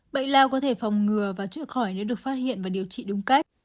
bệnh lao có thể phòng ngừa và chữa khỏi nếu được phát hiện và điều trị đúng cách